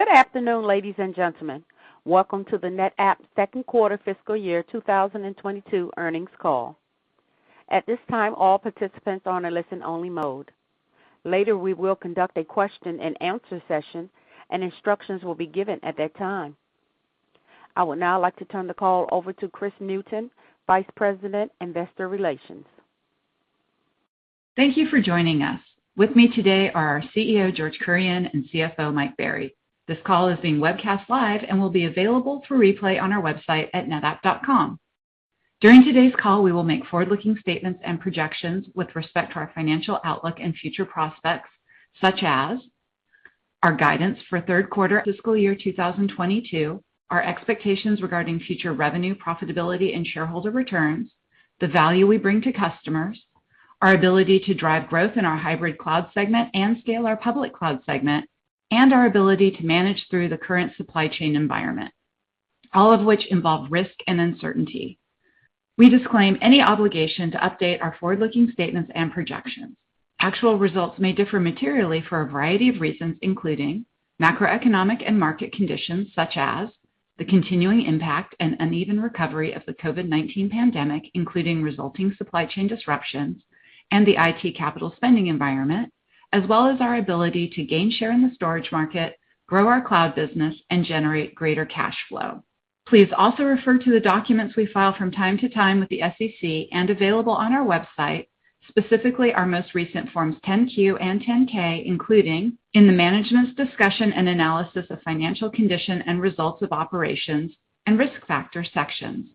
Good afternoon, ladies and gentlemen. Welcome to the NetApp second quarter fiscal year 2022 earnings call. At this time, all participants are in a listen-only mode. Later, we will conduct a question-and-answer session, and instructions will be given at that time. I would now like to turn the call over to Kris Newton, Vice President, Investor Relations. Thank you for joining us. With me today are our CEO, George Kurian, and CFO, Mike Berry. This call is being webcast live and will be available for replay on our website at netapp.com. During today's call, we will make forward-looking statements and projections with respect to our financial outlook and future prospects, such as our guidance for third quarter fiscal year 2022, our expectations regarding future revenue, profitability, and shareholder returns, the value we bring to customers, our ability to drive growth in our hybrid cloud segment and scale our public cloud segment, and our ability to manage through the current supply chain environment, all of which involve risk and uncertainty. We disclaim any obligation to update our forward-looking statements and projections. Actual results may differ materially for a variety of reasons, including macroeconomic and market conditions such as the continuing impact and uneven recovery of the COVID-19 pandemic, including resulting supply chain disruptions and the IT capital spending environment, as well as our ability to gain share in the storage market, grow our cloud business, and generate greater cash flow. Please also refer to the documents we file from time to time with the SEC and available on our website, specifically our most recent Forms 10-Q and 10-K, including in the Management's Discussion and Analysis of Financial Condition and Results of Operations and Risk Factor sections.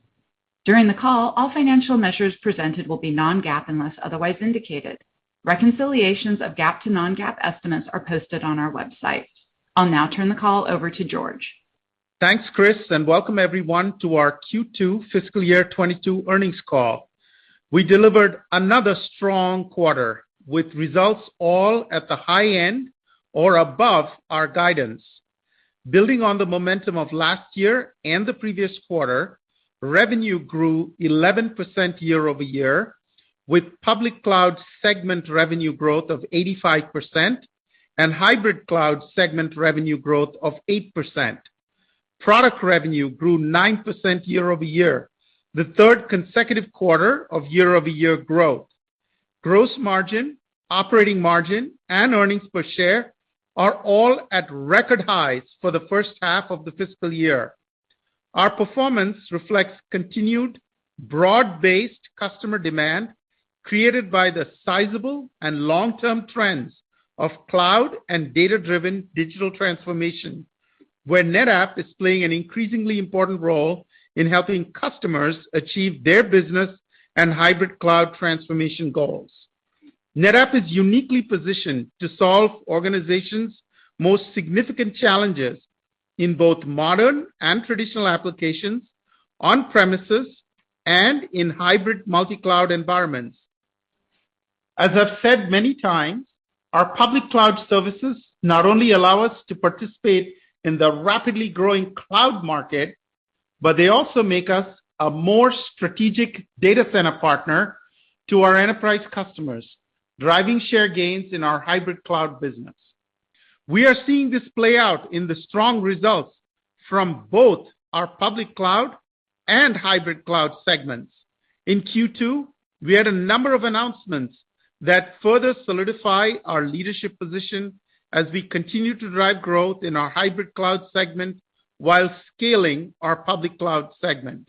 During the call, all financial measures presented will be non-GAAP unless otherwise indicated. Reconciliations of GAAP to non-GAAP estimates are posted on our website. I'll now turn the call over to George. Thanks, Kris, and welcome everyone to our Q2 fiscal year 2022 earnings call. We delivered another strong quarter with results all at the high end or above our guidance. Building on the momentum of last year and the previous quarter, revenue grew 11% year-over-year, with Public Cloud segment revenue growth of 85% and Hybrid Cloud segment revenue growth of 8%. Product revenue grew 9% year-over-year, the third consecutive quarter of year-over-year growth. Gross margin, operating margin, and earnings per share are all at record highs for the first half of the fiscal year. Our performance reflects continued broad-based customer demand created by the sizable and long-term trends of cloud and data-driven digital transformation, where NetApp is playing an increasingly important role in helping customers achieve their business and hybrid cloud transformation goals. NetApp is uniquely positioned to solve organizations' most significant challenges in both modern and traditional applications, on premises, and in hybrid multi-cloud environments. As I've said many times, our public cloud services not only allow us to participate in the rapidly growing cloud market, but they also make us a more strategic data center partner to our enterprise customers, driving share gains in our hybrid cloud business. We are seeing this play out in the strong results from both our public cloud and hybrid cloud segments. In Q2, we had a number of announcements that further solidify our leadership position as we continue to drive growth in our hybrid cloud segment while scaling our public cloud segment.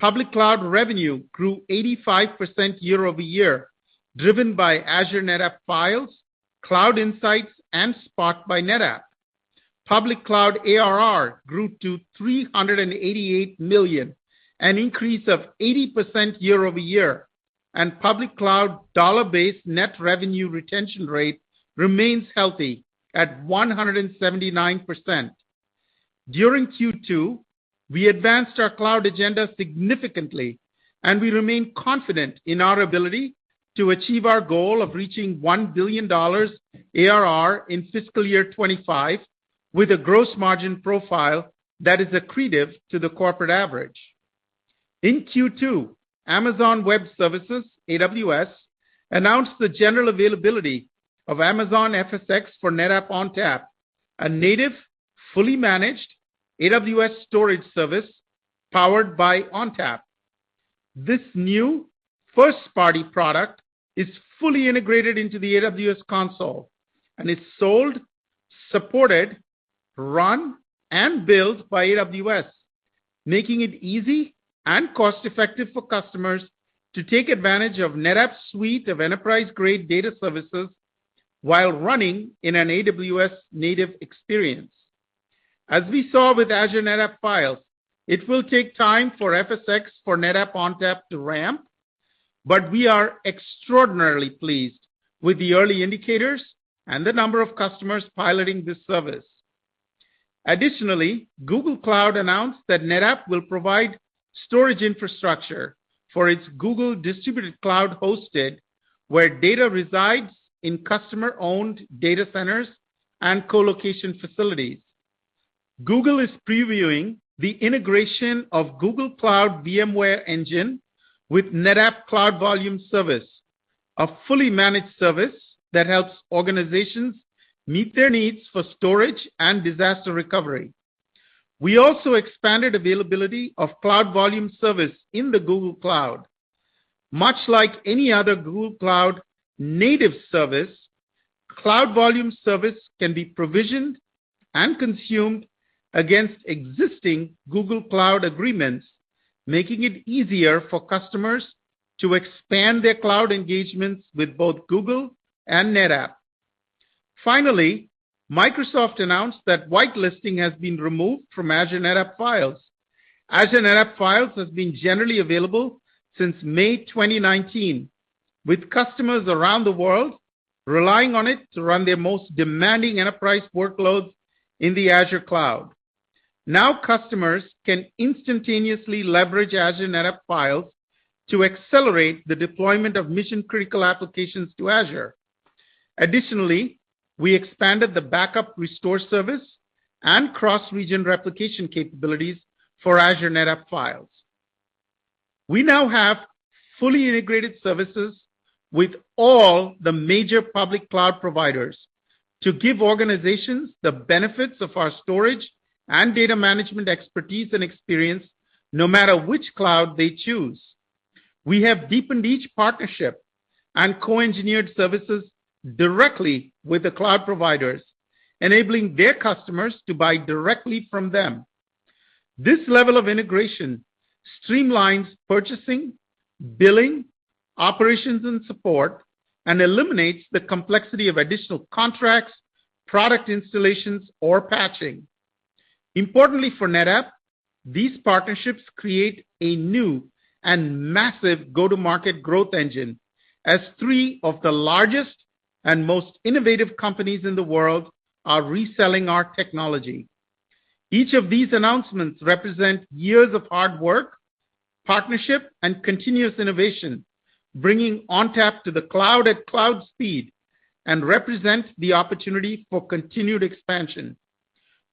Public cloud revenue grew 85% year-over-year, driven by Azure NetApp Files, Cloud Insights, and Spot by NetApp. Public cloud ARR grew to $388 million, an increase of 80% year-over-year, and public cloud dollar-based net revenue retention rate remains healthy at 179%. During Q2, we advanced our cloud agenda significantly, and we remain confident in our ability to achieve our goal of reaching $1 billion ARR in FY 2025 with a gross margin profile that is accretive to the corporate average. In Q2, Amazon Web Services, AWS, announced the general availability of Amazon FSx for NetApp ONTAP, a native, fully managed AWS storage service powered by ONTAP. This new first-party product is fully integrated into the AWS console and is sold, supported, run, and built by AWS, making it easy and cost-effective for customers to take advantage of NetApp's suite of enterprise-grade data services while running in an AWS-native experience. As we saw with Azure NetApp Files, it will take time for FSx for NetApp ONTAP to ramp, but we are extraordinarily pleased with the early indicators and the number of customers piloting this service. Additionally, Google Cloud announced that NetApp will provide storage infrastructure for its Google Distributed Cloud Hosted, where data resides in customer-owned data centers and colocation facilities. Google is previewing the integration of Google Cloud VMware Engine with NetApp Cloud Volumes Service, a fully managed service that helps organizations meet their needs for storage and disaster recovery. We also expanded availability of Cloud Volumes Service in the Google Cloud. Much like any other Google Cloud native service, Cloud Volumes Service can be provisioned and consumed against existing Google Cloud agreements, making it easier for customers to expand their cloud engagements with both Google and NetApp. Finally, Microsoft announced that whitelisting has been removed from Azure NetApp Files. Azure NetApp Files has been generally available since May 2019, with customers around the world relying on it to run their most demanding enterprise workloads in the Azure cloud. Now customers can instantaneously leverage Azure NetApp Files to accelerate the deployment of mission-critical applications to Azure. Additionally, we expanded the backup restore service and cross-region replication capabilities for Azure NetApp Files. We now have fully integrated services with all the major public cloud providers to give organizations the benefits of our storage and data management expertise and experience, no matter which cloud they choose. We have deepened each partnership and co-engineered services directly with the cloud providers, enabling their customers to buy directly from them. This level of integration streamlines purchasing, billing, operations, and support and eliminates the complexity of additional contracts, product installations, or patching. Importantly for NetApp, these partnerships create a new and massive go-to-market growth engine as three of the largest and most innovative companies in the world are reselling our technology. Each of these announcements represent years of hard work, partnership, and continuous innovation, bringing ONTAP to the cloud at cloud speed and represents the opportunity for continued expansion.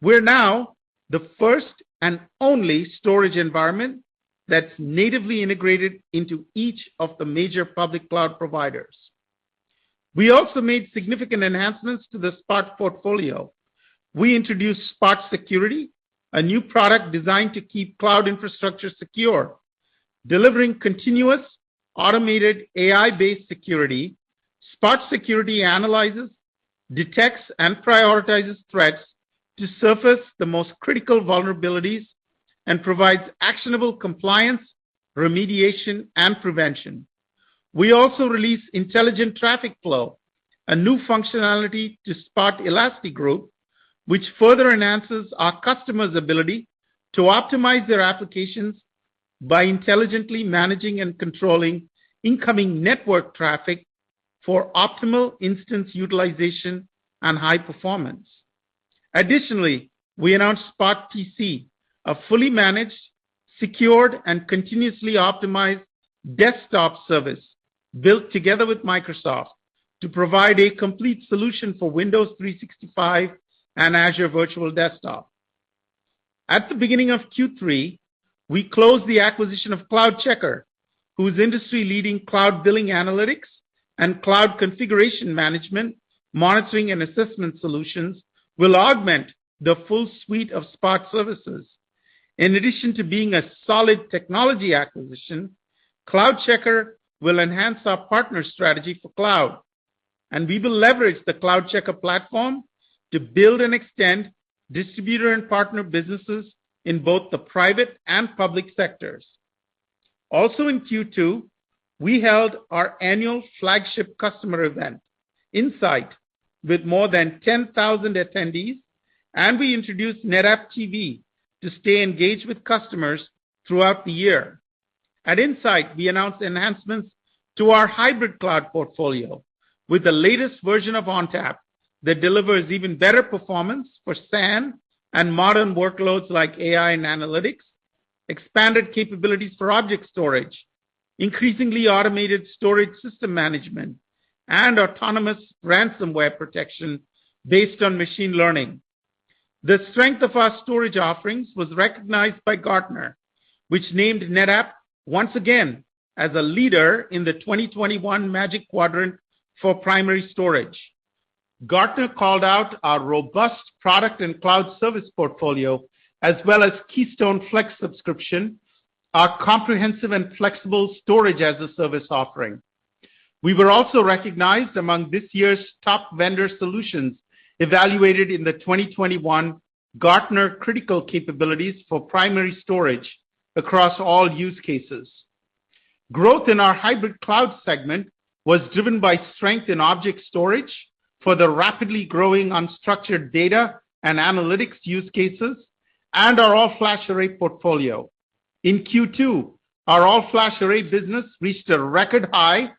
We're now the first and only storage environment that's natively integrated into each of the major public cloud providers. We also made significant enhancements to the Spot portfolio. We introduced Spot Security, a new product designed to keep cloud infrastructure secure. Delivering continuous, automated AI-based security, Spot Security analyzes, detects, and prioritizes threats to surface the most critical vulnerabilities and provides actionable compliance, remediation, and prevention. We also released Intelligent Traffic Flow, a new functionality to Spot Elastigroup, which further enhances our customer's ability to optimize their applications by intelligently managing and controlling incoming network traffic for optimal instance utilization and high performance. Additionally, we announced Spot PC, a fully managed, secured, and continuously optimized desktop service built together with Microsoft to provide a complete solution for Windows 365 and Azure Virtual Desktop. At the beginning of Q3, we closed the acquisition of CloudCheckr, whose industry-leading cloud billing analytics and cloud configuration management, monitoring, and assessment solutions will augment the full suite of Spot services. In addition to being a solid technology acquisition, CloudCheckr will enhance our partner strategy for cloud, and we will leverage the CloudCheckr platform to build and extend distributor and partner businesses in both the private and public sectors. Also in Q2, we held our annual flagship customer event, INSIGHT, with more than 10,000 attendees, and we introduced NetApp TV to stay engaged with customers throughout the year. At INSIGHT, we announced enhancements to our hybrid cloud portfolio with the latest version of ONTAP that delivers even better performance for SAN and modern workloads like AI and analytics, expanded capabilities for object storage, increasingly automated storage system management, and autonomous ransomware protection based on machine learning. The strength of our storage offerings was recognized by Gartner, which named NetApp once again as a leader in the 2021 Magic Quadrant for Primary Storage. Gartner called out our robust product and cloud service portfolio as well as Keystone Flex Subscription, our comprehensive and flexible storage-as-a-service offering. We were also recognized among this year's top vendor solutions evaluated in the 2021 Gartner Critical Capabilities for Primary Storage across all use cases. Growth in our hybrid cloud segment was driven by strength in object storage for the rapidly growing unstructured data and analytics use cases and our all-flash array portfolio. In Q2, our all-flash array business reached a record high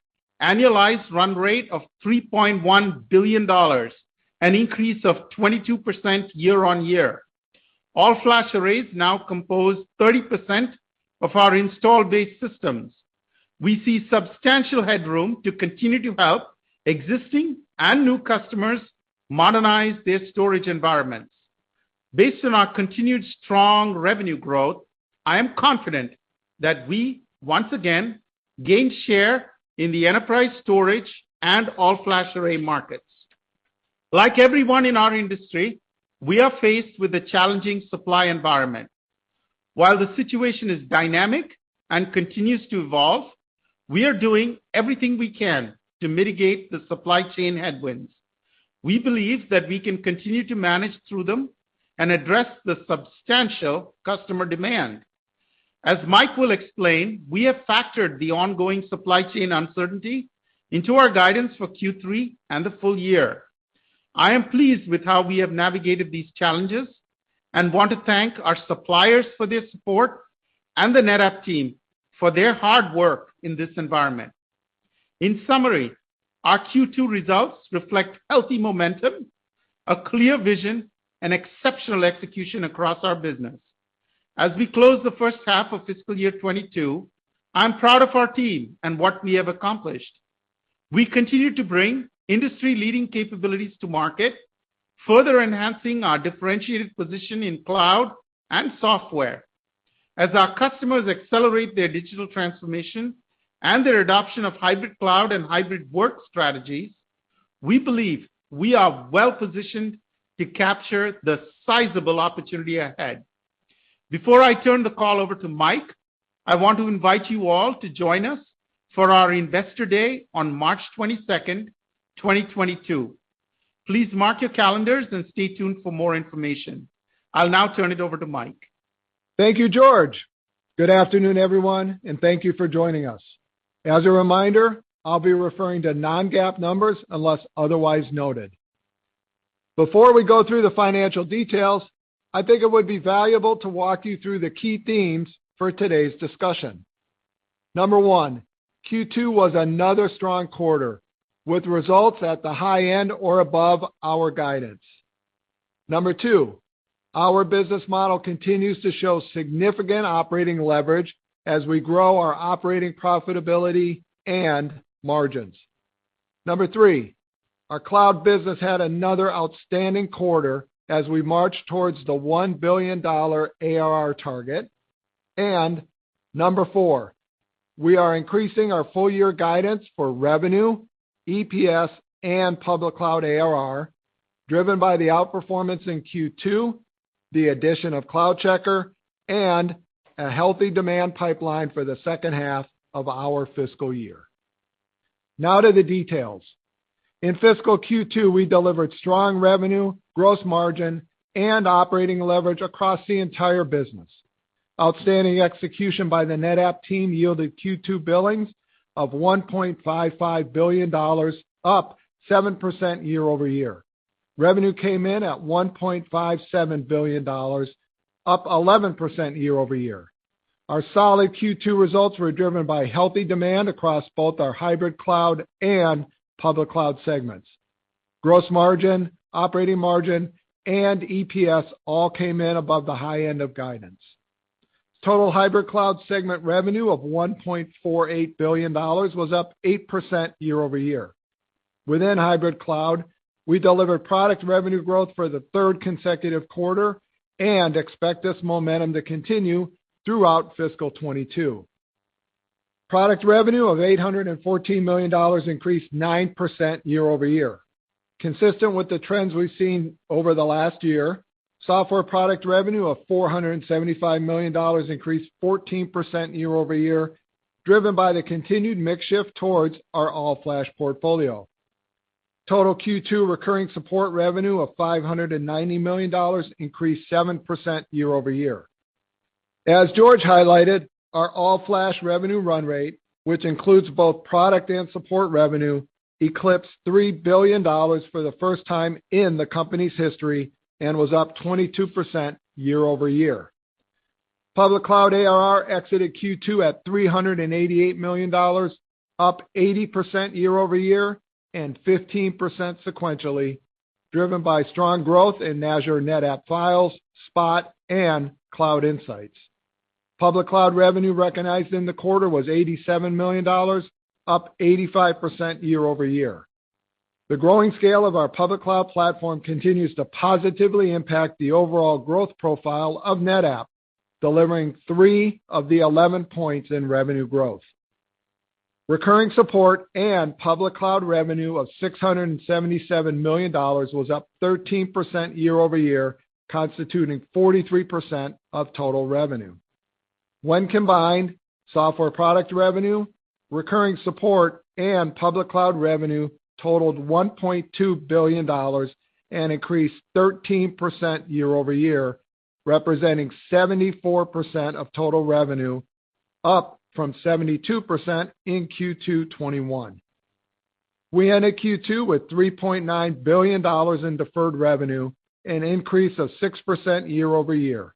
annualized run rate of $3.1 billion, an increase of 22% year-on-year. All-flash arrays now compose 30% of our installed base systems. We see substantial headroom to continue to help existing and new customers modernize their storage environments. Based on our continued strong revenue growth, I am confident that we once again gain share in the enterprise storage and all-flash array markets. Like everyone in our industry, we are faced with a challenging supply environment. While the situation is dynamic and continues to evolve, we are doing everything we can to mitigate the supply chain headwinds. We believe that we can continue to manage through them and address the substantial customer demand. As Mike will explain, we have factored the ongoing supply chain uncertainty into our guidance for Q3 and the full year. I am pleased with how we have navigated these challenges and want to thank our suppliers for their support and the NetApp team for their hard work in this environment. In summary, our Q2 results reflect healthy momentum, a clear vision, and exceptional execution across our business. As we close the first half of fiscal year 2022, I'm proud of our team and what we have accomplished. We continue to bring industry-leading capabilities to market, further enhancing our differentiated position in cloud and software. As our customers accelerate their digital transformation and their adoption of hybrid cloud and hybrid work strategies, we believe we are well-positioned to capture the sizable opportunity ahead. Before I turn the call over to Mike, I want to invite you all to join us for our Investor Day on March 22nd, 2022. Please mark your calendars and stay tuned for more information. I'll now turn it over to Mike. Thank you, George. Good afternoon, everyone, and thank you for joining us. As a reminder, I'll be referring to non-GAAP numbers unless otherwise noted. Before we go through the financial details, I think it would be valuable to walk you through the key themes for today's discussion. Number one, Q2 was another strong quarter, with results at the high end or above our guidance. Number two, our business model continues to show significant operating leverage as we grow our operating profitability and margins. Number three, our cloud business had another outstanding quarter as we march towards the $1 billion ARR target. Number four, we are increasing our full year guidance for revenue, EPS, and public cloud ARR, driven by the outperformance in Q2, the addition of CloudCheckr, and a healthy demand pipeline for the second half of our fiscal year. Now to the details. In fiscal Q2, we delivered strong revenue, gross margin, and operating leverage across the entire business. Outstanding execution by the NetApp team yielded Q2 billings of $1.55 billion, up 7% year-over-year. Revenue came in at $1.57 billion, up 11% year-over-year. Our solid Q2 results were driven by healthy demand across both our hybrid cloud and public cloud segments. Gross margin, operating margin, and EPS all came in above the high end of guidance. Total hybrid cloud segment revenue of $1.48 billion was up 8% year-over-year. Within hybrid cloud, we delivered product revenue growth for the third consecutive quarter and expect this momentum to continue throughout fiscal 2022. Product revenue of $814 million increased 9% year-over-year. Consistent with the trends we've seen over the last year, software product revenue of $475 million increased 14% year-over-year, driven by the continued mix shift towards our all-flash portfolio. Total Q2 recurring support revenue of $590 million increased 7% year-over-year. As George highlighted, our all-flash revenue run rate, which includes both product and support revenue, eclipsed $3 billion for the first time in the company's history and was up 22% year-over-year. Public cloud ARR exited Q2 at $388 million, up 80% year-over-year and 15% sequentially, driven by strong growth in Azure NetApp Files, Spot, and Cloud Insights. Public cloud revenue recognized in the quarter was $87 million, up 85% year-over-year. The growing scale of our public cloud platform continues to positively impact the overall growth profile of NetApp, delivering three of the 11 points in revenue growth. Recurring support and public cloud revenue of $677 million was up 13% year-over-year, constituting 43% of total revenue. When combined, software product revenue, recurring support, and public cloud revenue totaled $1.2 billion and increased 13% year-over-year, representing 74% of total revenue, up from 72% in Q2 2021. We ended Q2 with $3.9 billion in deferred revenue, an increase of 6% year-over-year.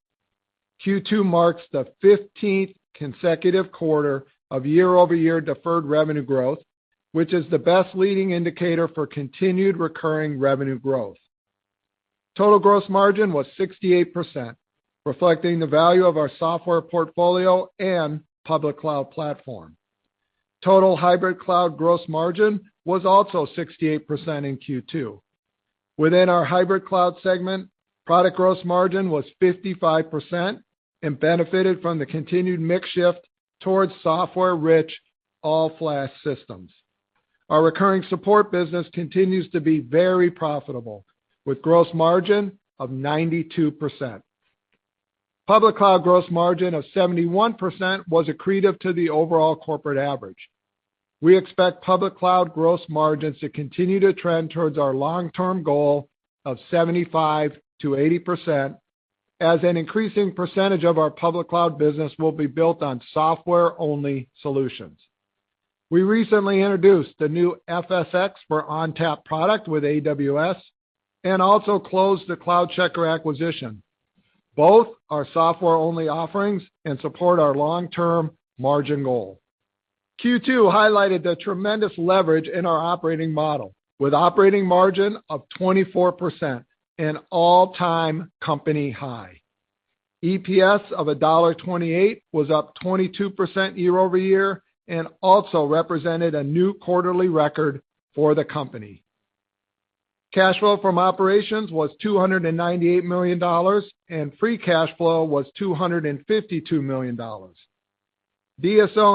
Q2 marks the 15th consecutive quarter of year-over-year deferred revenue growth, which is the best leading indicator for continued recurring revenue growth. Total gross margin was 68%, reflecting the value of our software portfolio and public cloud platform. Total hybrid cloud gross margin was also 68% in Q2. Within our hybrid cloud segment, product gross margin was 55% and benefited from the continued mix shift towards software-rich all-flash systems. Our recurring support business continues to be very profitable, with gross margin of 92%. Public cloud gross margin of 71% was accretive to the overall corporate average. We expect public cloud gross margins to continue to trend towards our long-term goal of 75%-80% as an increasing percentage of our public cloud business will be built on software-only solutions. We recently introduced the new FSx for ONTAP product with AWS and also closed the CloudCheckr acquisition. Both are software-only offerings and support our long-term margin goal. Q2 highlighted the tremendous leverage in our operating model with operating margin of 24%, an all-time company high. EPS of $1.28 was up 22% year-over-year and also represented a new quarterly record for the company. Cash flow from operations was $298 million, and free cash flow was $252 million. DSO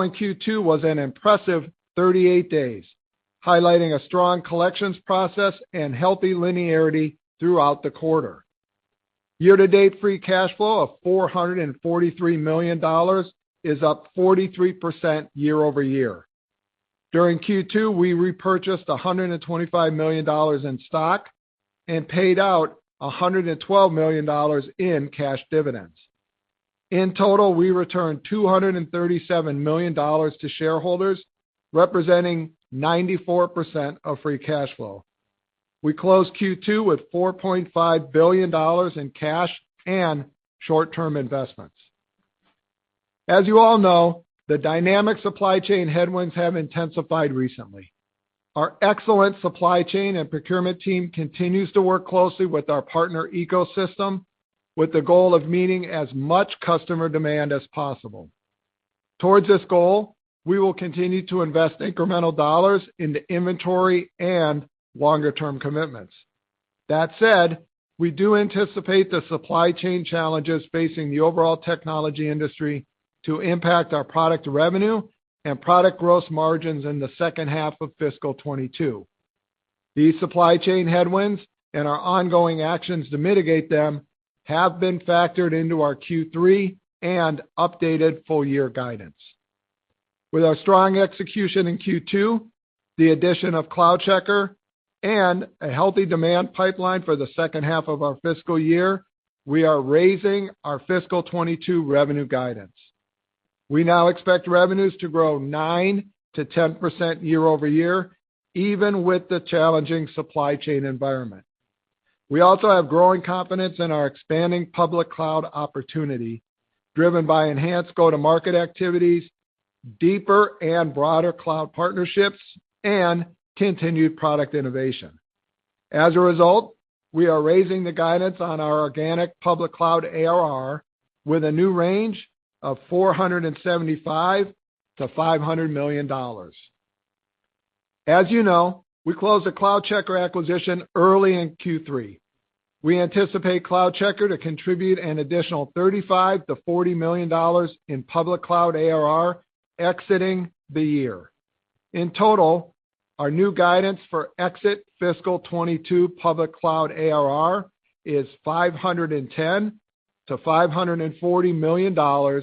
in Q2 was an impressive 38 days, highlighting a strong collections process and healthy linearity throughout the quarter. Year to date, free cash flow of $443 million is up 43% year-over-year. During Q2, we repurchased $125 million in stock and paid out $112 million in cash dividends. In total, we returned $237 million to shareholders, representing 94% of free cash flow. We closed Q2 with $4.5 billion in cash and short-term investments. As you all know, the dynamic supply chain headwinds have intensified recently. Our excellent supply chain and procurement team continues to work closely with our partner ecosystem with the goal of meeting as much customer demand as possible. Towards this goal, we will continue to invest incremental dollars into inventory and longer-term commitments. That said, we do anticipate the supply chain challenges facing the overall technology industry to impact our product revenue and product gross margins in the second half of fiscal 2022. These supply chain headwinds and our ongoing actions to mitigate them have been factored into our Q3 and updated full year guidance. With our strong execution in Q2, the addition of CloudCheckr, and a healthy demand pipeline for the second half of our fiscal year, we are raising our fiscal 2022 revenue guidance. We now expect revenues to grow 9%-10% year-over-year, even with the challenging supply chain environment. We also have growing confidence in our expanding public cloud opportunity, driven by enhanced go-to-market activities, deeper and broader cloud partnerships, and continued product innovation. As a result, we are raising the guidance on our organic public cloud ARR with a new range of $475 million-$500 million. As you know, we closed the CloudCheckr acquisition early in Q3. We anticipate CloudCheckr to contribute an additional $35 million-$40 million in public cloud ARR exiting the year. In total, our new guidance for exit fiscal 2022 public cloud ARR is $510 million-$540 million,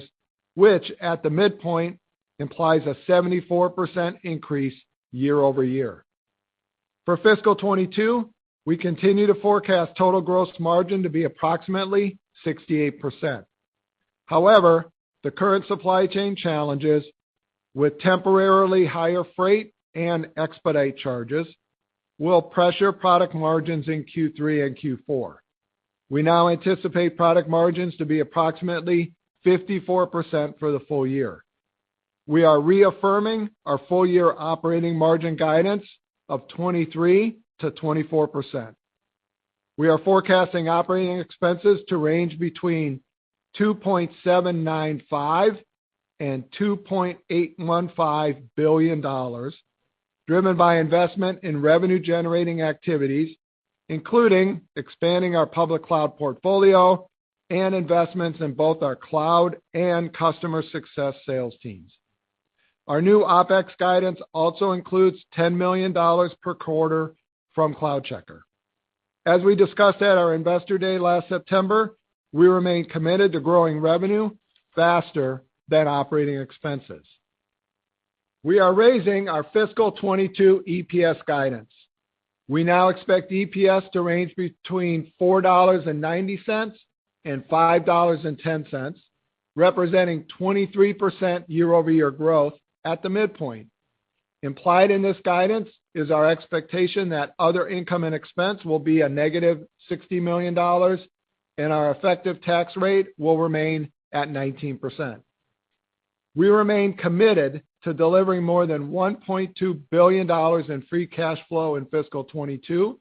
which, at the midpoint, implies a 74% increase year-over-year. For FY 2022, we continue to forecast total gross margin to be approximately 68%. However, the current supply chain challenges with temporarily higher freight and expedite charges will pressure product margins in Q3 and Q4. We now anticipate product margins to be approximately 54% for the full year. We are reaffirming our full year operating margin guidance of 23%-24%. We are forecasting operating expenses to range between $2.795 billion-$2.815 billion, driven by investment in revenue-generating activities, including expanding our public cloud portfolio and investments in both our cloud and customer success sales teams. Our new OpEx guidance also includes $10 million per quarter from CloudCheckr. As we discussed at our Investor Day last September, we remain committed to growing revenue faster than operating expenses. We are raising our FY 2022 EPS guidance. We now expect EPS to range between $4.90 and $5.10, representing 23% year-over-year growth at the midpoint. Implied in this guidance is our expectation that other income and expense will be negative $60 million, and our effective tax rate will remain at 19%. We remain committed to delivering more than $1.2 billion in free cash flow in fiscal 2022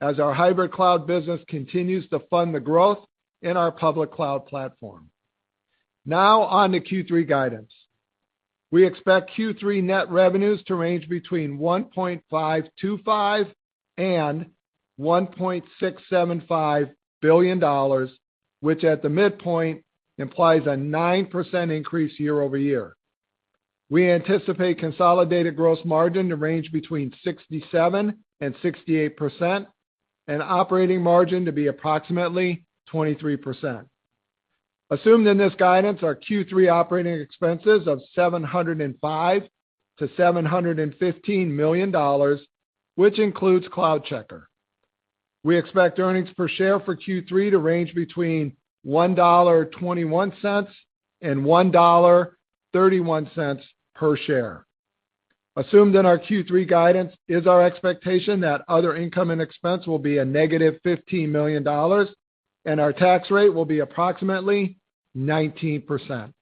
as our hybrid cloud business continues to fund the growth in our public cloud platform. Now on to Q3 guidance. We expect Q3 net revenues to range between $1.525 billion and $1.675 billion, which at the midpoint implies a 9% increase year-over-year. We anticipate consolidated gross margin to range between 67% and 68% and operating margin to be approximately 23%. Assumed in this guidance are Q3 operating expenses of $705 million-$715 million, which includes CloudCheckr. We expect earnings per share for Q3 to range between $1.21 and $1.31 per share. Assumed in our Q3 guidance is our expectation that other income and expense will be a negative $15 million and our tax rate will be approximately 19%.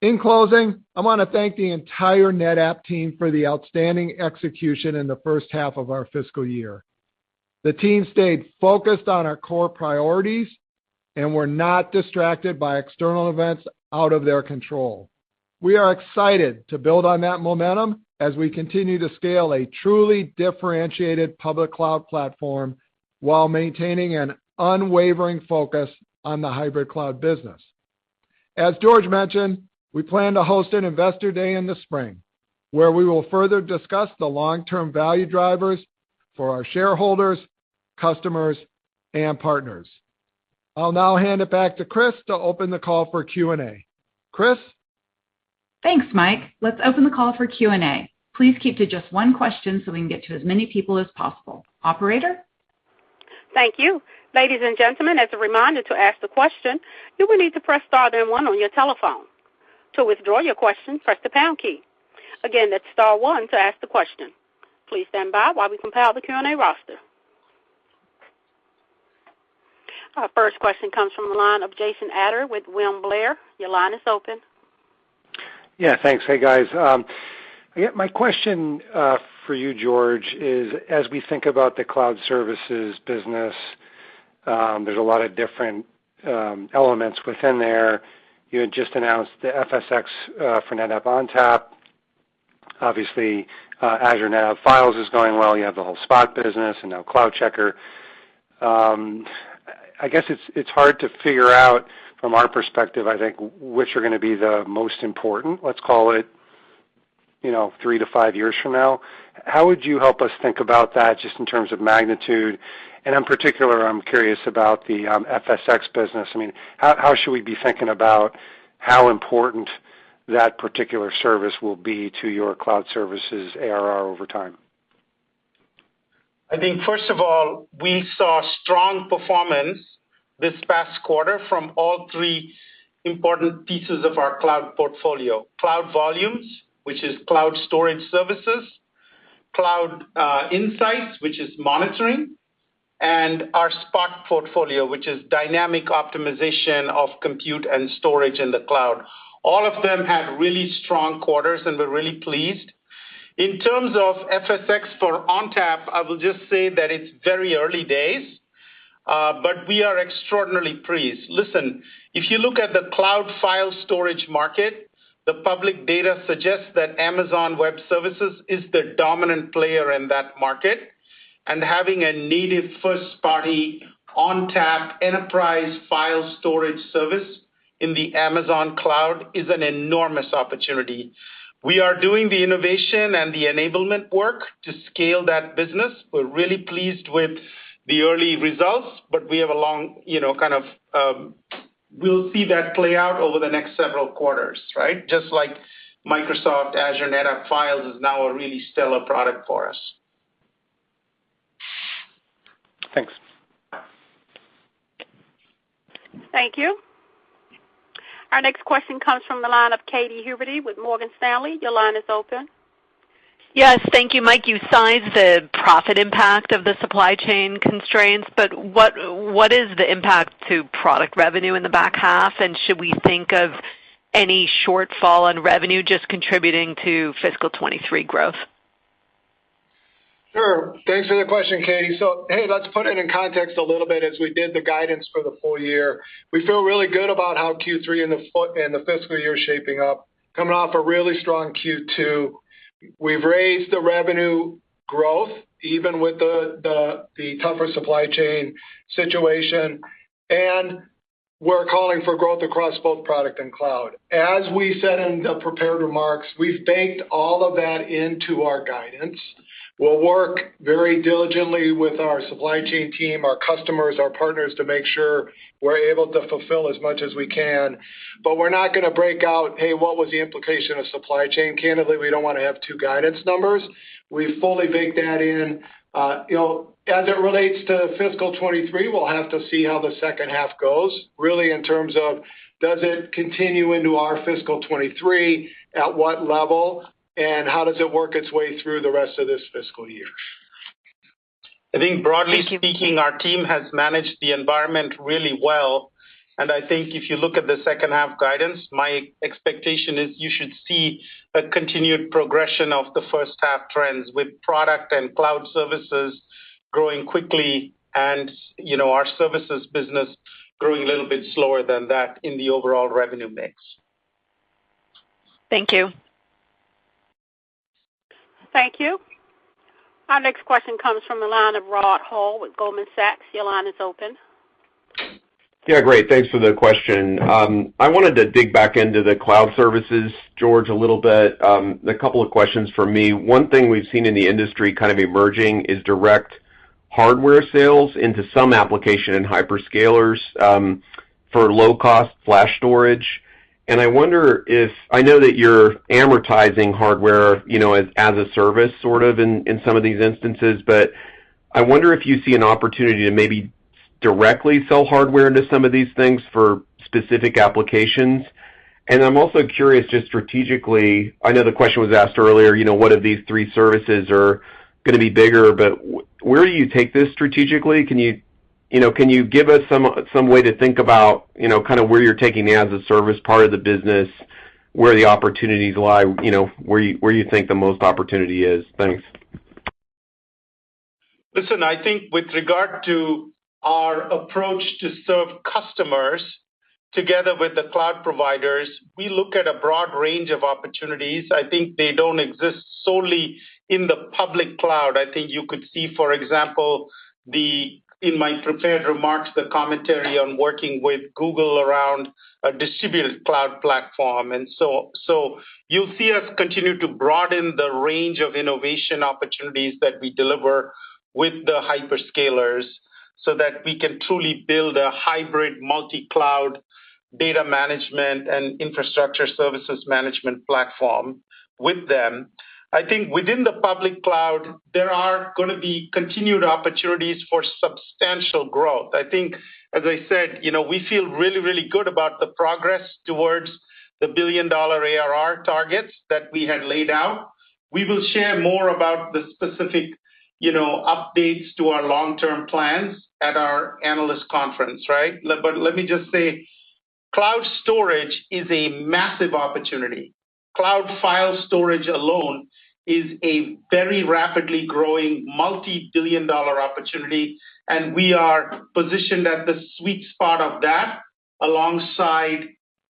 In closing, I want to thank the entire NetApp team for the outstanding execution in the first half of our fiscal year. The team stayed focused on our core priorities, and were not distracted by external events out of their control. We are excited to build on that momentum as we continue to scale a truly differentiated public cloud platform while maintaining an unwavering focus on the hybrid cloud business. As George mentioned, we plan to host an Investor Day in the spring, where we will further discuss the long-term value drivers for our shareholders, customers, and partners. I'll now hand it back to Kris to open the call for Q&A. Kris? Thanks, Mike. Let's open the call for Q&A. Please keep to just one question so we can get to as many people as possible. Operator? Thank you. Ladies and gentlemen, as a reminder to ask the question, you will need to press star then one on your telephone. To withdraw your question, press the pound key. Again, that's star one to ask the question. Please stand by while we compile the Q&A roster. Our first question comes from the line of Jason Ader with William Blair. Your line is open. Yeah, thanks. Hey, guys. My question for you, George, is as we think about the cloud services business, there's a lot of different elements within there. You had just announced the Amazon FSx for NetApp ONTAP. Obviously, Azure NetApp Files is going well. You have the whole Spot by NetApp business and now CloudCheckr. I guess it's hard to figure out from our perspective, I think, which are gonna be the most important, let's call it, you know, three-five years from now. How would you help us think about that just in terms of magnitude? In particular, I'm curious about the Amazon FSx business. I mean, how should we be thinking about how important that particular service will be to your cloud services ARR over time? I think first of all, we saw strong performance this past quarter from all three important pieces of our cloud portfolio. Cloud Volumes, which is cloud storage services, Cloud Insights, which is monitoring, and our Spot portfolio, which is dynamic optimization of compute and storage in the cloud. All of them had really strong quarters, and we're really pleased. In terms of FSx for ONTAP, I will just say that it's very early days, but we are extraordinarily pleased. Listen, if you look at the cloud file storage market, the public data suggests that Amazon Web Services is the dominant player in that market. Having a native first-party ONTAP enterprise file storage service in the Amazon Cloud is an enormous opportunity. We are doing the innovation and the enablement work to scale that business. We're really pleased with the early results, but we have a long, you know, kind of, we'll see that play out over the next several quarters, right? Just like Microsoft Azure NetApp Files is now a really stellar product for us. Thanks. Thank you. Our next question comes from the line of Katy Huberty with Morgan Stanley. Your line is open. Yes. Thank you, Mike. You sized the profit impact of the supply chain constraints, but what is the impact to product revenue in the back half? And should we think of any shortfall on revenue just contributing to fiscal 2023 growth? Sure. Thanks for the question, Katy. Hey, let's put it in context a little bit as we did the guidance for the full year. We feel really good about how Q3 and the fiscal year is shaping up, coming off a really strong Q2. We've raised the revenue growth even with the tougher supply chain situation, and we're calling for growth across both product and cloud. As we said in the prepared remarks, we've baked all of that into our guidance. We'll work very diligently with our supply chain team, our customers, our partners, to make sure we're able to fulfill as much as we can. We're not gonna break out, hey, what was the implication of supply chain? Candidly, we don't wanna have two guidance numbers. We fully bake that in. You know, as it relates to fiscal 2023, we'll have to see how the second half goes, really in terms of does it continue into our fiscal 2023, at what level, and how does it work its way through the rest of this fiscal year? I think broadly speaking, our team has managed the environment really well. I think if you look at the second half guidance, my expectation is you should see a continued progression of the first half trends with product and cloud services growing quickly and, you know, our services business growing a little bit slower than that in the overall revenue mix. Thank you. Thank you. Our next question comes from the line of Rod Hall with Goldman Sachs. Your line is open. Yeah, great. Thanks for the question. I wanted to dig back into the cloud services, George, a little bit. A couple of questions from me. One thing we've seen in the industry kind of emerging is direct hardware sales into some application in hyperscalers for low-cost flash storage. I know that you're amortizing hardware, you know, as a service sort of in some of these instances. But I wonder if you see an opportunity to maybe directly sell hardware into some of these things for specific applications. I'm also curious just strategically. I know the question was asked earlier, you know, what of these three services are gonna be bigger, but where do you take this strategically? Can you know, give us some way to think about, you know, kind of where you're taking the as a service part of the business, where the opportunities lie, you know, where you think the most opportunity is? Thanks. Listen, I think with regard to our approach to serve customers together with the cloud providers, we look at a broad range of opportunities. I think they don't exist solely in the public cloud. I think you could see, for example, in my prepared remarks, the commentary on working with Google around a distributed cloud platform. You'll see us continue to broaden the range of innovation opportunities that we deliver with the hyperscalers so that we can truly build a hybrid multi-cloud data management and infrastructure services management platform with them. I think within the public cloud, there are gonna be continued opportunities for substantial growth. I think, as I said, you know, we feel really, really good about the progress towards the billion-dollar ARR targets that we had laid out. We will share more about the specific, you know, updates to our long-term plans at our analyst conference, right? Let me just say, cloud storage is a massive opportunity. Cloud file storage alone is a very rapidly growing multi-billion-dollar opportunity, and we are positioned at the sweet spot of that alongside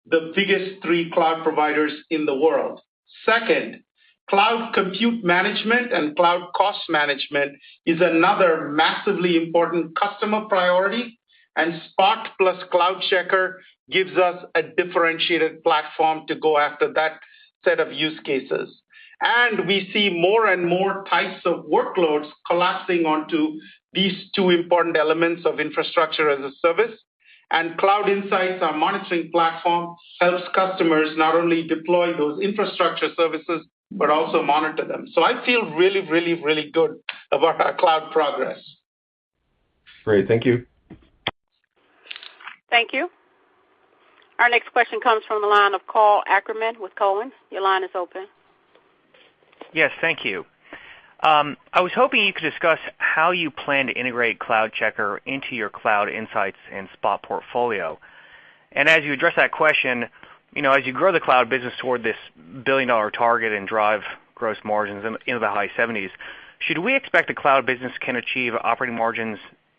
the biggest three cloud providers in the world. Second, cloud compute management and cloud cost management is another massively important customer priority, and Spot plus CloudCheckr gives us a differentiated platform to go after that set of use cases. We see more and more types of workloads collapsing onto these two important elements of infrastructure as a service. Cloud Insights, our monitoring platform, helps customers not only deploy those infrastructure services, but also monitor them. I feel really good about our cloud progress. Great. Thank you. Thank you. Our next question comes from the line of Karl Ackerman with Cowen. Your line is open. Yes. Thank you. I was hoping you could discuss how you plan to integrate CloudCheckr into your Cloud Insights and Spot portfolio. As you address that question, you know, as you grow the cloud business toward this $1 billion target and drive gross margins in the high 70s, should we expect the cloud business can achieve operating margins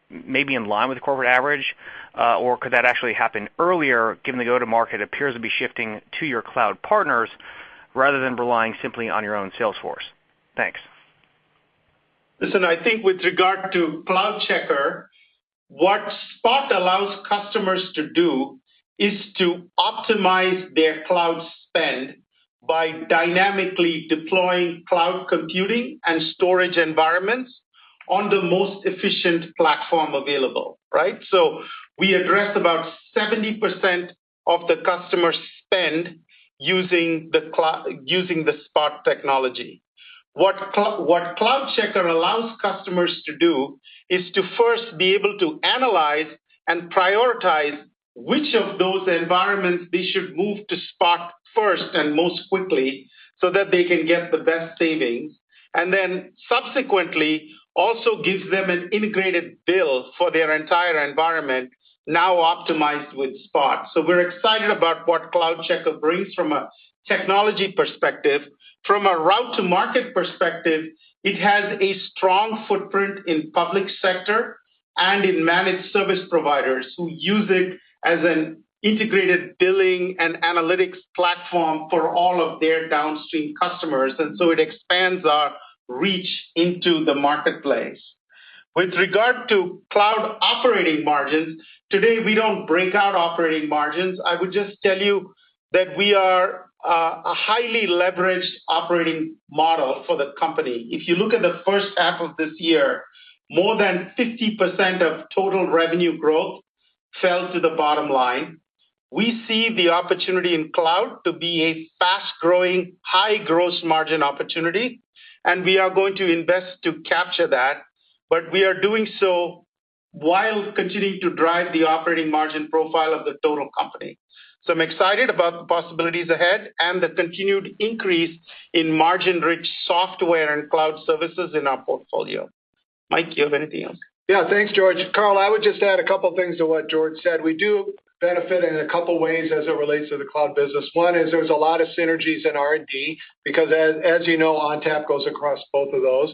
maybe in line with the corporate average, or could that actually happen earlier given the go-to-market appears to be shifting to your cloud partners rather than relying simply on your own sales force? Thanks. Listen, I think with regard to CloudCheckr, what Spot allows customers to do is to optimize their cloud spend by dynamically deploying cloud computing and storage environments on the most efficient platform available, right? We address about 70% of the customer spend using the Spot technology. What CloudCheckr allows customers to do is to first be able to analyze and prioritize which of those environments they should move to Spot first and most quickly so that they can get the best savings, and then subsequently also gives them an integrated bill for their entire environment now optimized with Spot. We're excited about what CloudCheckr brings from a technology perspective. From a route to market perspective, it has a strong footprint in public sector and in managed service providers who use it as an integrated billing and analytics platform for all of their downstream customers. It expands our reach into the marketplace. With regard to cloud operating margins, today, we don't break out operating margins. I would just tell you that we are a highly leveraged operating model for the company. If you look at the first half of this year, more than 50% of total revenue growth fell to the bottom line. We see the opportunity in cloud to be a fast-growing, high gross margin opportunity, and we are going to invest to capture that, but we are doing so while continuing to drive the operating margin profile of the total company. I'm excited about the possibilities ahead and the continued increase in margin-rich software and cloud services in our portfolio. Mike, do you have anything else? Yeah. Thanks, George. Karl, I would just add a couple things to what George said. We do benefit in a couple ways as it relates to the cloud business. One is there's a lot of synergies in R&D because as you know, ONTAP goes across both of those.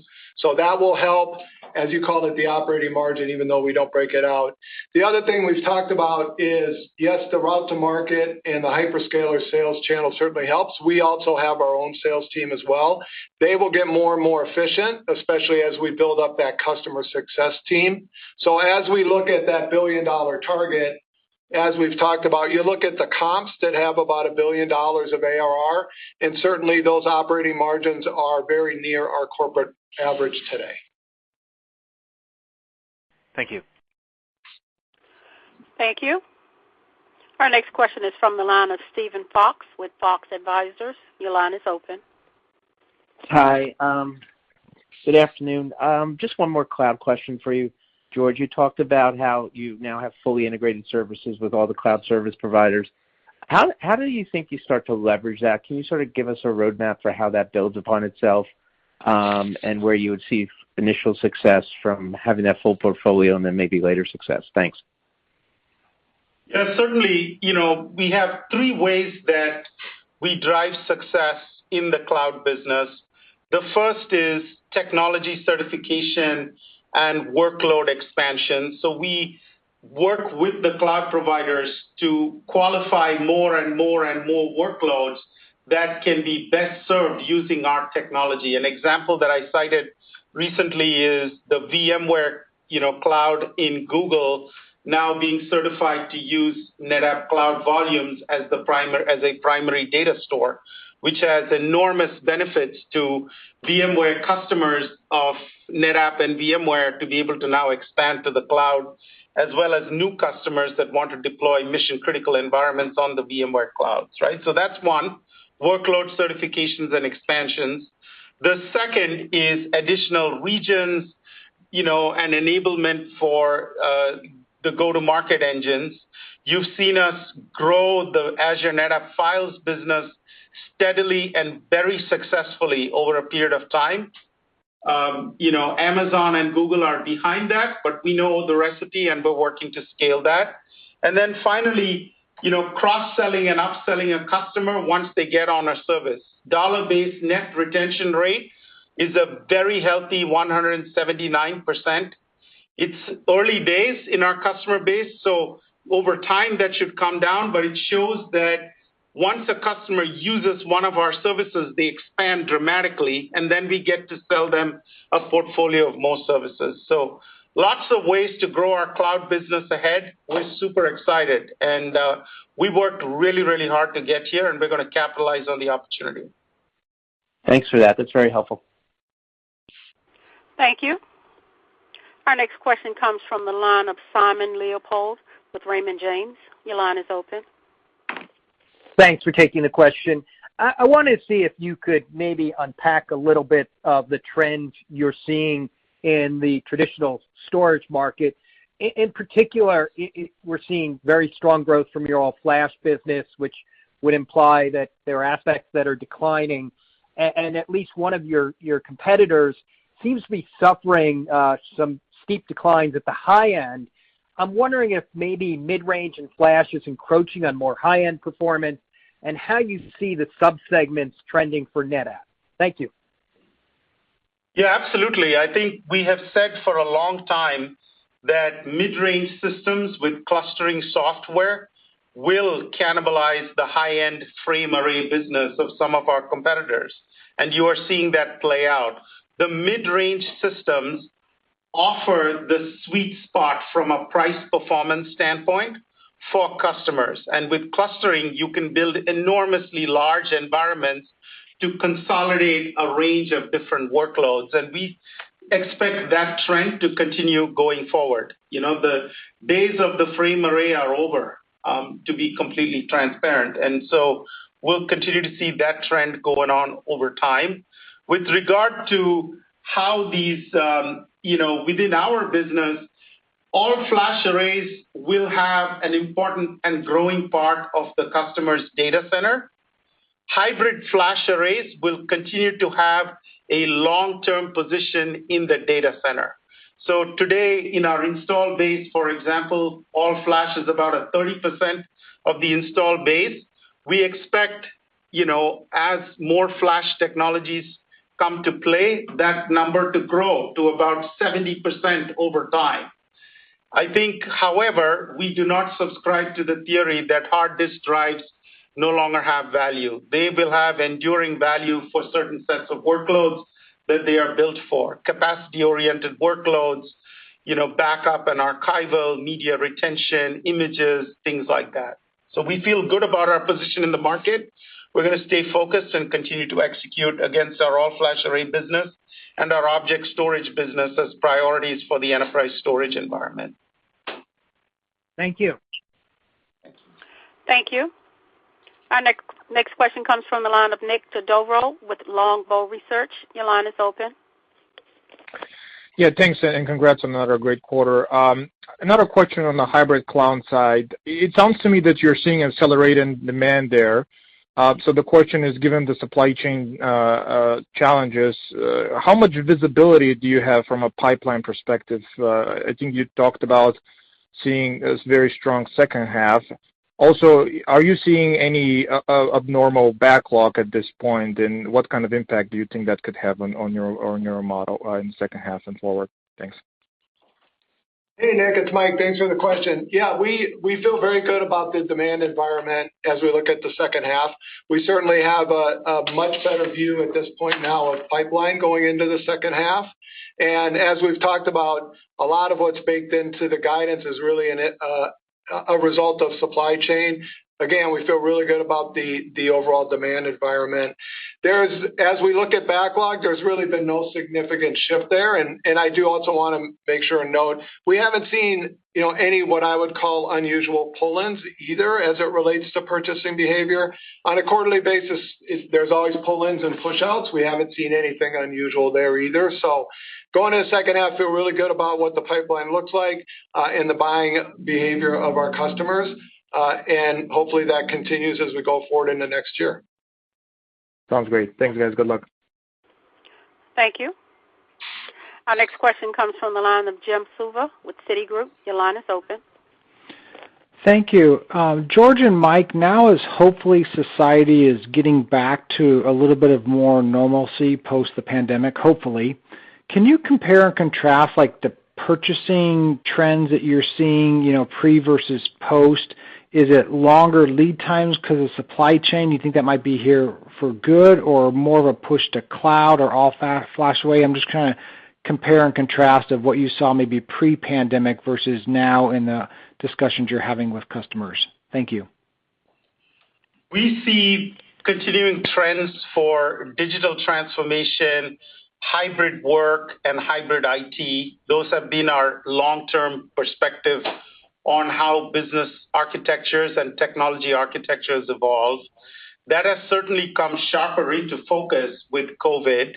That will help, as you called it, the operating margin, even though we don't break it out. The other thing we've talked about is, yes, the route to market and the hyperscaler sales channel certainly helps. We also have our own sales team as well. They will get more and more efficient, especially as we build up that customer success team. As we look at that billion-dollar target, as we've talked about, you look at the comps that have about $1 billion of ARR, and certainly those operating margins are very near our corporate average today. Thank you. Thank you. Our next question is from the line of Steven Fox with Fox Advisors. Your line is open. Hi. Good afternoon. Just one more cloud question for you. George, you talked about how you now have fully integrated services with all the cloud service providers. How do you think you start to leverage that? Can you sort of give us a roadmap for how that builds upon itself, and where you would see initial success from having that full portfolio and then maybe later success? Thanks. Yeah, certainly, you know, we have three ways that we drive success in the cloud business. The first is technology certification and workload expansion. We work with the cloud providers to qualify more and more and more workloads that can be best served using our technology. An example that I cited recently is the VMware, you know, cloud in Google now being certified to use NetApp Cloud Volumes as a primary data store, which has enormous benefits to VMware customers of NetApp and VMware to be able to now expand to the cloud, as well as new customers that want to deploy mission-critical environments on the VMware Clouds, right? That's one, workload certifications and expansions. The second is additional regions, you know, and enablement for the go-to-market engines. You've seen us grow the Azure NetApp Files business steadily and very successfully over a period of time. You know, Amazon and Google are behind that, but we know the recipe, and we're working to scale that. Then finally, you know, cross-selling and upselling a customer once they get on our service. Dollar-based net retention rate is a very healthy 179%. It's early days in our customer base, so over time, that should come down, but it shows that once a customer uses one of our services, they expand dramatically, and then we get to sell them a portfolio of more services. Lots of ways to grow our cloud business ahead. We're super excited. We worked really, really hard to get here, and we're gonna capitalize on the opportunity. Thanks for that. That's very helpful. Thank you. Our next question comes from the line of Simon Leopold with Raymond James. Your line is open. Thanks for taking the question. I wanna see if you could maybe unpack a little bit of the trends you're seeing in the traditional storage market. In particular, we're seeing very strong growth from your all-flash business, which would imply that there are aspects that are declining. At least one of your competitors seems to be suffering some steep declines at the high end. I'm wondering if maybe mid-range and flash is encroaching on more high-end performance and how you see the sub-segments trending for NetApp? Thank you. Yeah, absolutely. I think we have said for a long time that mid-range systems with clustering software will cannibalize the high-end frame array business of some of our competitors, and you are seeing that play out. The mid-range systems offer the sweet spot from a price-performance standpoint for customers. With clustering, you can build enormously large environments to consolidate a range of different workloads. We expect that trend to continue going forward. You know, the days of the frame array are over, to be completely transparent. We'll continue to see that trend going on over time. With regard to how these, you know, within our business, all-flash arrays will have an important and growing part of the customer's data center. Hybrid flash arrays will continue to have a long-term position in the data center. Today in our install base, for example, all-flash is about 30% of the install base. We expect, you know, as more flash technologies come to play, that number to grow to about 70% over time. I think, however, we do not subscribe to the theory that hard disk drives no longer have value. They will have enduring value for certain sets of workloads that they are built for. Capacity-oriented workloads, you know, backup and archival, media retention, images, things like that. We feel good about our position in the market. We're gonna stay focused and continue to execute against our all-flash array business and our object storage business as priorities for the enterprise storage environment. Thank you. Thank you. Our next question comes from the line of Nikolay Todorov with Longbow Research. Your line is open. Yeah, thanks, and congrats on another great quarter. Another question on the hybrid cloud side. It sounds to me that you're seeing accelerated demand there. The question is, given the supply chain challenges, how much visibility do you have from a pipeline perspective? I think you talked about seeing a very strong second half. Also, are you seeing any abnormal backlog at this point? What kind of impact do you think that could have on your model in second half and forward? Thanks. Hey, Nick, it's Mike. Thanks for the question. Yeah, we feel very good about the demand environment as we look at the second half. We certainly have a much better view at this point now of pipeline going into the second half. As we've talked about, a lot of what's baked into the guidance is really a result of supply chain. Again, we feel really good about the overall demand environment. As we look at backlog, there's really been no significant shift there. I do also want to make sure and note we haven't seen, you know, any what I would call unusual pull-ins either as it relates to purchasing behavior. On a quarterly basis, there's always pull-ins and push-outs. We haven't seen anything unusual there either. Going into the second half, feel really good about what the pipeline looks like, and the buying behavior of our customers. Hopefully that continues as we go forward in the next year. Sounds great. Thanks, guys. Good luck. Thank you. Our next question comes from the line of Jim Suva with Citigroup. Your line is open. Thank you. George and Mike, now as hopefully society is getting back to a little bit of more normalcy post the pandemic, hopefully, can you compare and contrast like the purchasing trends that you're seeing, you know, pre versus post? Is it longer lead times 'cause of supply chain? Do you think that might be here for good or more of a push to cloud or all-flash away? I'm just trying to compare and contrast of what you saw maybe pre-pandemic versus now in the discussions you're having with customers. Thank you. We see continuing trends for digital transformation, hybrid work, and hybrid IT. Those have been our long-term perspective on how business architectures and technology architectures evolve. That has certainly come sharper into focus with COVID,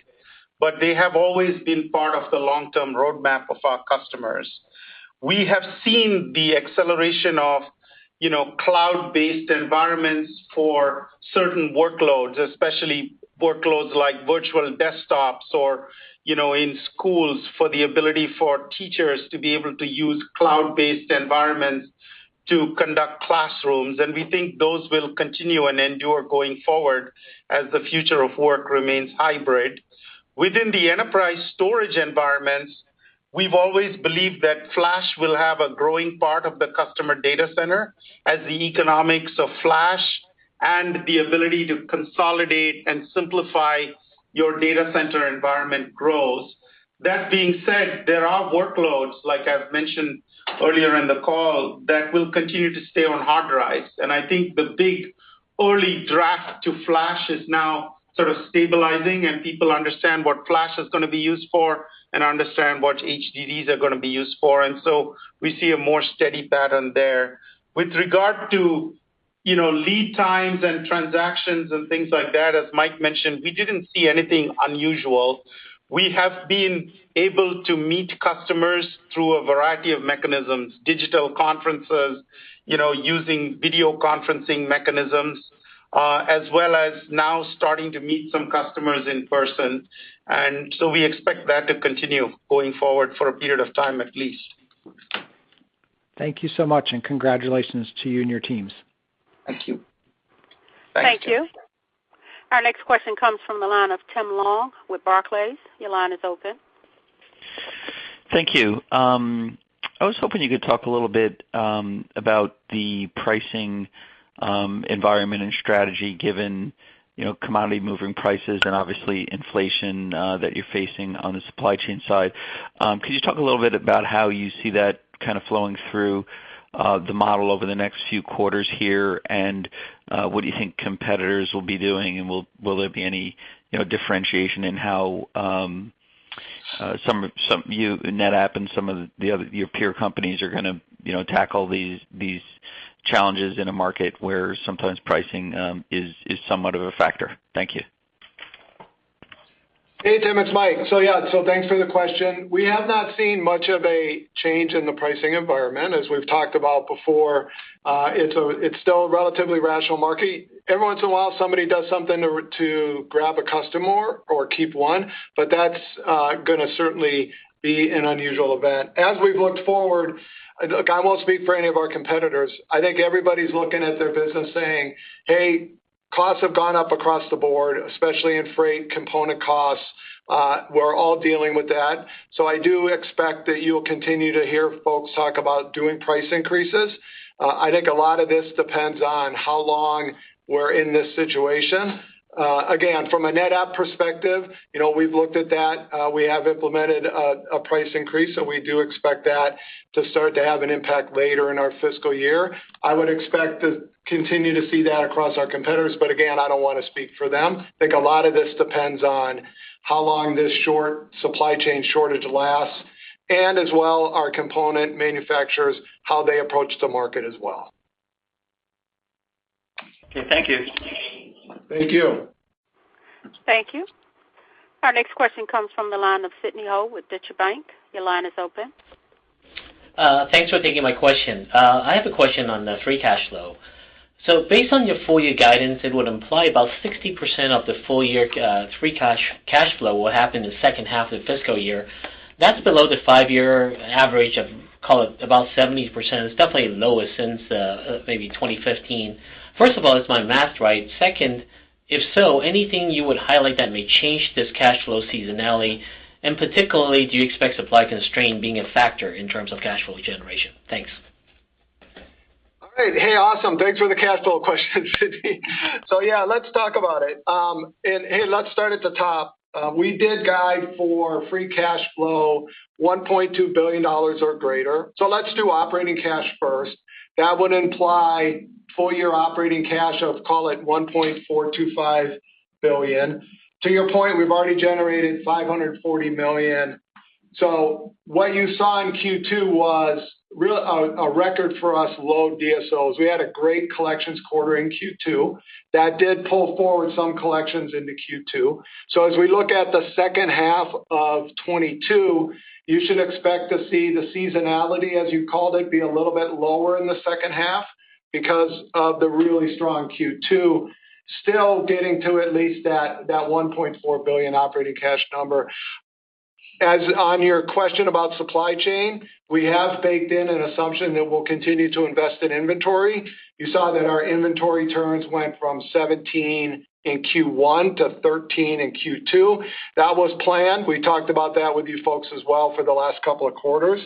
but they have always been part of the long-term roadmap of our customers. We have seen the acceleration of, you know, cloud-based environments for certain workloads, especially workloads like virtual desktops or, you know, in schools for the ability for teachers to be able to use cloud-based environments to conduct classrooms, and we think those will continue and endure going forward as the future of work remains hybrid. Within the enterprise storage environments, we've always believed that flash will have a growing part of the customer data center as the economics of flash and the ability to consolidate and simplify your data center environment grows. That being said, there are workloads, like I've mentioned earlier in the call, that will continue to stay on hard drives, and I think the big early shift to flash is now sort of stabilizing, and people understand what flash is gonna be used for and understand what HDDs are gonna be used for, and so we see a more steady pattern there. With regard to, you know, lead times and transactions and things like that, as Mike mentioned, we didn't see anything unusual. We have been able to meet customers through a variety of mechanisms, digital conferences, you know, using video conferencing mechanisms, as well as now starting to meet some customers in person. We expect that to continue going forward for a period of time at least. Thank you so much, and congratulations to you and your teams. Thank you. Thanks. Thank you. Our next question comes from the line of Tim Long with Barclays. Your line is open. Thank you. I was hoping you could talk a little bit about the pricing environment and strategy given, you know, commodity moving prices and obviously inflation that you're facing on the supply chain side. Could you talk a little bit about how you see that kind of flowing through the model over the next few quarters here, and what do you think competitors will be doing, and will there be any, you know, differentiation in how some of you, NetApp and some of the other your peer companies are gonna, you know, tackle these challenges in a market where sometimes pricing is somewhat of a factor? Thank you. Hey, Tim, it's Mike. Yeah, so thanks for the question. We have not seen much of a change in the pricing environment. As we've talked about before, it's still a relatively rational market. Every once in a while, somebody does something to grab a customer or keep one, but that's gonna certainly be an unusual event. As we've looked forward, I won't speak for any of our competitors. I think everybody's looking at their business saying, "Hey, costs have gone up across the board, especially in freight component costs. We're all dealing with that." I do expect that you'll continue to hear folks talk about doing price increases. I think a lot of this depends on how long we're in this situation. Again, from a NetApp perspective, you know, we've looked at that. We have implemented a price increase, so we do expect that to start to have an impact later in our fiscal year. I would expect to continue to see that across our competitors, but again, I don't wanna speak for them. I think a lot of this depends on how long this short supply chain shortage lasts, and as well, our component manufacturers, how they approach the market as well. Okay. Thank you. Thank you. Thank you. Our next question comes from the line of Sidney Ho with Deutsche Bank. Your line is open. Thanks for taking my question. I have a question on the free cash flow. Based on your full year guidance, it would imply about 60% of the full year free cash flow will happen in the second half of the fiscal year. That's below the five-year average of, call it, about 70%. It's definitely the lowest since, maybe 2015. First of all, is my math right? Second, if so, anything you would highlight that may change this cash flow seasonality, and particularly do you expect supply constraint being a factor in terms of cash flow generation? Thanks. All right. Hey, awesome. Thanks for the cash flow question, Sidney. Yeah, let's talk about it. Hey, let's start at the top. We did guide for free cash flow $1.2 billion or greater. Let's do operating cash first. That would imply full year operating cash of, call it, $1.425 billion. To your point, we've already generated $540 million. What you saw in Q2 was a record for us low DSOs. We had a great collections quarter in Q2. That did pull forward some collections into Q2. As we look at the second half of 2022, you should expect to see the seasonality, as you called it, be a little bit lower in the second half because of the really strong Q2, still getting to at least that $1.4 billion operating cash number. As to your question about supply chain, we have baked in an assumption that we'll continue to invest in inventory. You saw that our inventory turns went from 17 in Q1 to 13 in Q2. That was planned. We talked about that with you folks as well for the last couple of quarters.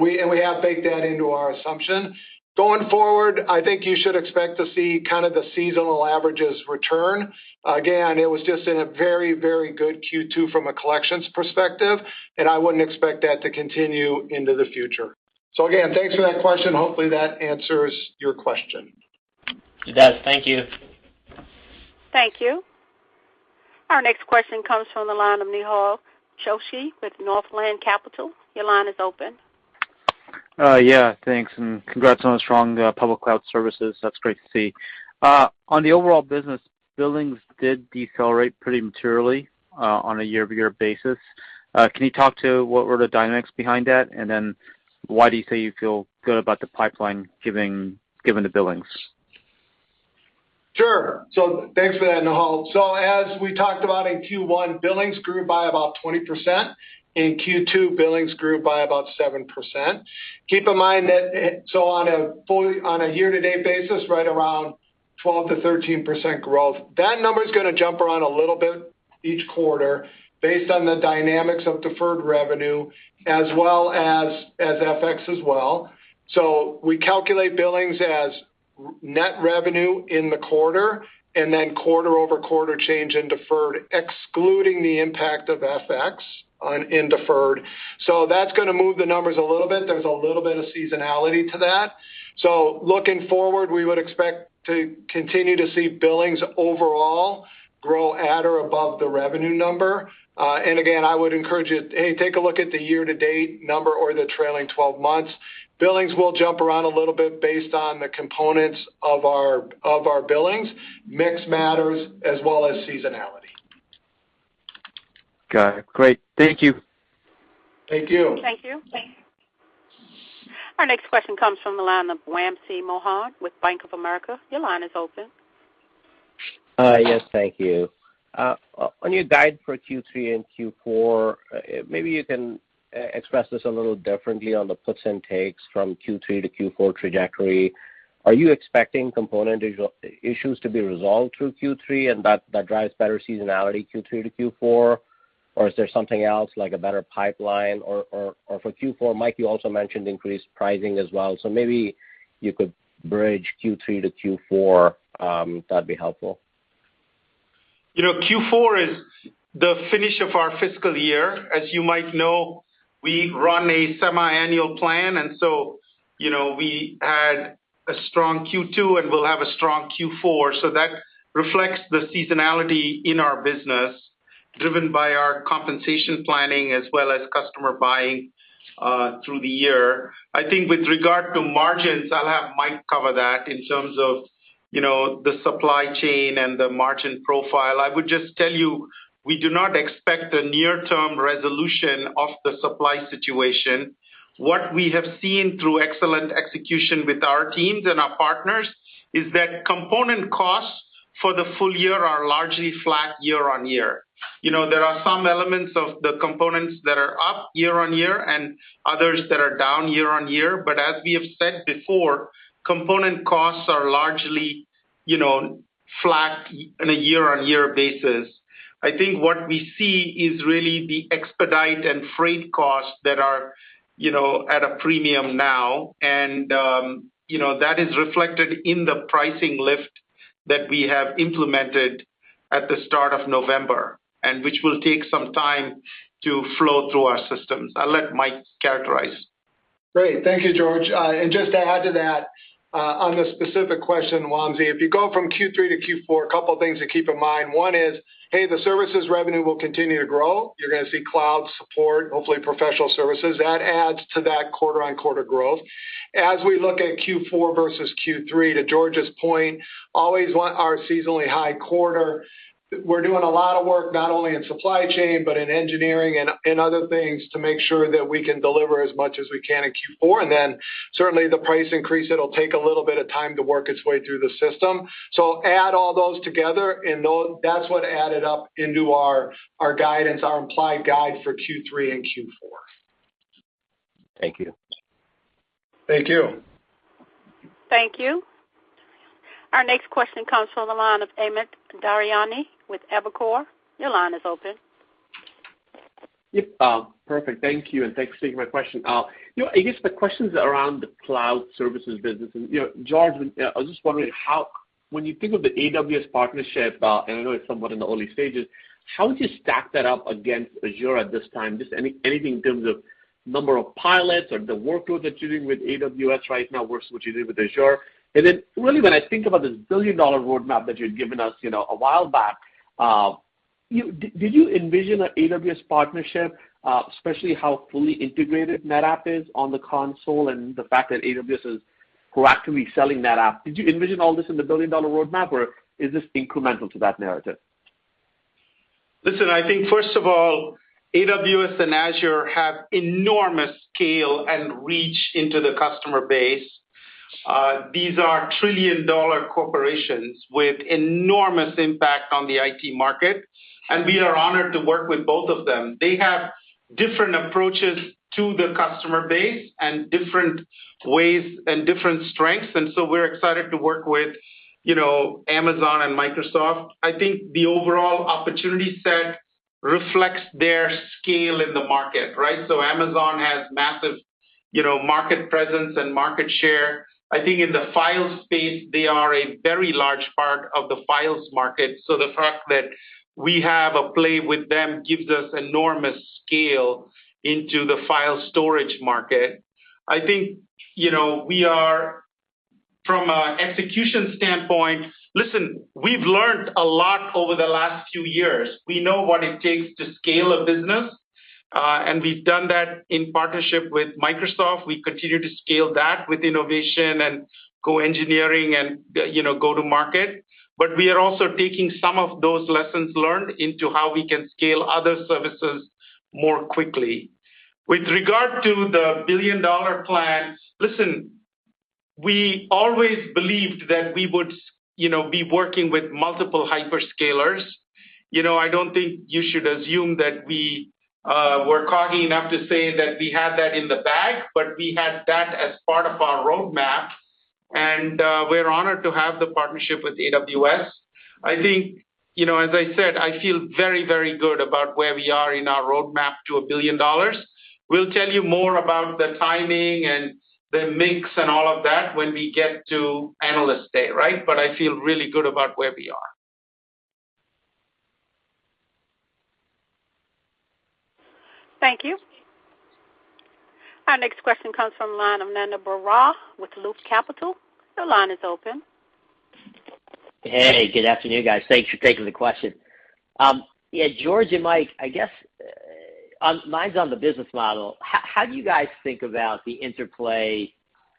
We have baked that into our assumption. Going forward, I think you should expect to see kind of the seasonal averages return. Again, it was just in a very, very good Q2 from a collections perspective, and I wouldn't expect that to continue into the future. Again, thanks for that question. Hopefully, that answers your question. It does. Thank you. Thank you. Our next question comes from the line of Nehal Chokshi with Northland [Securities]. Your line is open. Yeah, thanks, and congrats on the strong public cloud services. That's great to see. On the overall business, billings did decelerate pretty materially on a year-over-year basis. Can you talk to what were the dynamics behind that, and then why do you say you feel good about the pipeline given the billings? Sure. Thanks for that, Nehal. As we talked about in Q1, billings grew by about 20%. In Q2, billings grew by about 7%. Keep in mind that on a year-to-date basis, right around 12%-13% growth. That number's gonna jump around a little bit each quarter based on the dynamics of deferred revenue as well as FX. We calculate billings as net revenue in the quarter and then quarter-over-quarter change in deferred, excluding the impact of FX in deferred. That's gonna move the numbers a little bit. There's a little bit of seasonality to that. Looking forward, we would expect to continue to see billings overall grow at or above the revenue number. Again, I would encourage you to, hey, take a look at the year-to-date number or the trailing twelve months. Billings will jump around a little bit based on the components of our billings, mix matters as well as seasonality. Got it. Great. Thank you. Thank you. Thank you. Our next question comes from the line of Wamsi Mohan with Bank of America. Your line is open. Yes. Thank you. On your guide for Q3 and Q4, maybe you can express this a little differently on the puts and takes from Q3 to Q4 trajectory. Are you expecting component issues to be resolved through Q3, and that drives better seasonality Q3 to Q4? Or is there something else like a better pipeline? Or for Q4, Mike, you also mentioned increased pricing as well. Maybe you could bridge Q3 to Q4, that'd be helpful. You know, Q4 is the finish of our fiscal year. As you might know, we run a semiannual plan, and so, you know, we had a strong Q2, and we'll have a strong Q4. That reflects the seasonality in our business, driven by our compensation planning as well as customer buying through the year. I think with regard to margins, I'll have Mike cover that in terms of, you know, the supply chain and the margin profile. I would just tell you, we do not expect a near-term resolution of the supply situation. What we have seen through excellent execution with our teams and our partners is that component costs for the full year are largely flat year on year. You know, there are some elements of the components that are up year on year and others that are down year-on-year. As we have said before, component costs are largely, you know, flat on a year-over-year basis. I think what we see is really the expedite and freight costs that are, you know, at a premium now. You know, that is reflected in the pricing lift that we have implemented at the start of November, and which will take some time to flow through our systems. I'll let Mike characterize. Great. Thank you, George. Just to add to that, on the specific question, Wamsi, if you go from Q3 to Q4, a couple of things to keep in mind. One is, hey, the services revenue will continue to grow. You're gonna see cloud support, hopefully professional services. That adds to that quarter-on-quarter growth. As we look at Q4 versus Q3, to George's point, always want our seasonally high quarter. We're doing a lot of work not only in supply chain, but in engineering and other things to make sure that we can deliver as much as we can in Q4. Then certainly the price increase, it'll take a little bit of time to work its way through the system. Add all those together, and that's what added up to our guidance, our implied guide for Q3 and Q4. Thank you. Thank you. Thank you. Our next question comes from the line of Amit Daryanani with Evercore. Your line is open. Yeah, perfect. Thank you, and thanks for taking my question. You know, I guess the questions around the cloud services business. You know, George, I was just wondering how, when you think of the AWS partnership, and I know it's somewhat in the early stages, how would you stack that up against Azure at this time? Just anything in terms of number of pilots or the workload that you're doing with AWS right now versus what you did with Azure. Then really, when I think about this billion-dollar roadmap that you'd given us, you know, a while back, did you envision a AWS partnership, especially how fully integrated NetApp is on the console and the fact that AWS is proactively selling NetApp? Did you envision all this in the billion-dollar roadmap, or is this incremental to that narrative? Listen, I think first of all, AWS and Azure have enormous scale and reach into the customer base. These are trillion-dollar corporations with enormous impact on the IT market, and we are honored to work with both of them. They have different approaches to the customer base and different ways and different strengths, and so we're excited to work with, you know, Amazon and Microsoft. I think the overall opportunity set reflects their scale in the market, right? Amazon has massive, you know, market presence and market share. I think in the file space, they are a very large part of the files market. The fact that we have a play with them gives us enormous scale into the file storage market. I think, you know, we've learned a lot over the last few years. We know what it takes to scale a business, and we've done that in partnership with Microsoft. We continue to scale that with innovation and go engineering and, you know, go to market. We are also taking some of those lessons learned into how we can scale other services more quickly. With regard to the billion-dollar plan, listen, we always believed that we would, you know, be working with multiple hyperscalers. You know, I don't think you should assume that we were cocky enough to say that we had that in the bag, but we had that as part of our roadmap, and we're honored to have the partnership with AWS. I think, you know, as I said, I feel very, very good about where we are in our roadmap to $1 billion. We'll tell you more about the timing and the mix and all of that when we get to Analyst Day, right? I feel really good about where we are. Thank you. Our next question comes from the line of Ananda Baruah with Loop Capital. Your line is open. Hey, good afternoon, guys. Thanks for taking the question. Yeah, George and Mike, I guess, mine's on the business model. How do you guys think about the interplay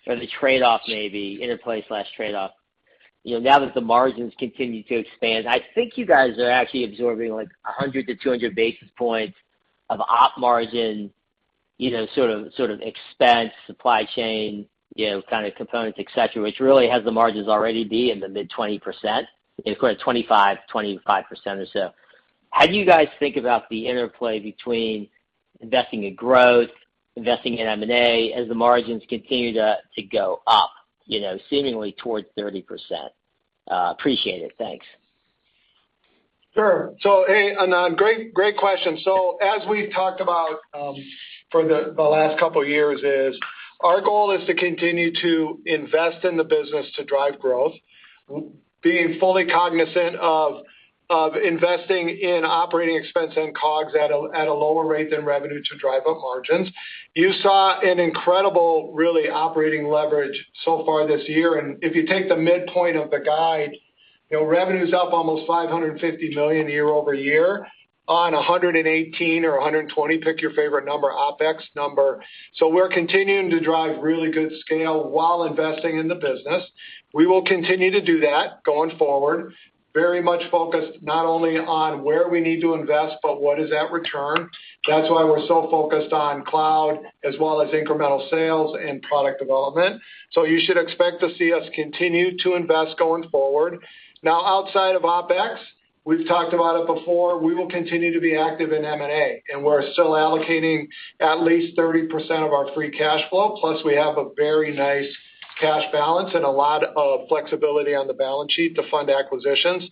or the trade-off maybe, you know, now that the margins continue to expand? I think you guys are actually absorbing like 100-200 basis points of operating margin, you know, sort of expense, supply chain, you know, kind of components, et cetera, which really has the margins already be in the mid-20%, and of course, 25% or so. How do you guys think about the interplay between investing in growth, investing in M&A as the margins continue to go up, you know, seemingly towards 30%? Appreciate it. Thanks. Sure. Hey, [Ananda], great question. As we've talked about for the last couple of years, our goal is to continue to invest in the business to drive growth, being fully cognizant of investing in operating expense and COGS at a lower rate than revenue to drive up margins. You saw an incredible really operating leverage so far this year. If you take the midpoint of the guide, you know, revenue's up almost $550 million year-over-year on a $118 or a $120, pick your favorite number, OpEx number. We're continuing to drive really good scale while investing in the business. We will continue to do that going forward. Very much focused not only on where we need to invest, but what is that return. That's why we're so focused on cloud as well as incremental sales and product development. You should expect to see us continue to invest going forward. Now, outside of OpEx, we've talked about it before, we will continue to be active in M&A, and we're still allocating at least 30% of our free cash flow, plus we have a very nice cash balance and a lot of flexibility on the balance sheet to fund acquisitions.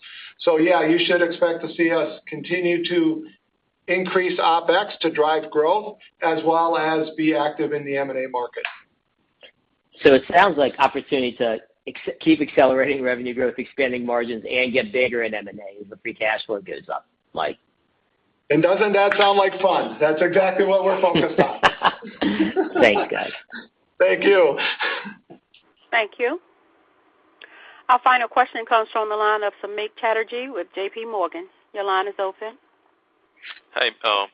Yeah, you should expect to see us continue to increase OpEx to drive growth as well as be active in the M&A market. It sounds like an opportunity to keep accelerating revenue growth, expanding margins, and get bigger in M&A as the free cash flow goes up, Mike. Doesn't that sound like fun? That's exactly what we're focused on. Thanks, guys. Thank you. Thank you. Our final question comes from the line of Samik Chatterjee with JPMorgan. Your line is open. Hi.